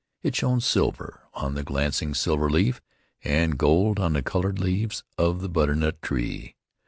It shone silver on the glancing silver leaf, and gold on the colored leaves of the butternut tree.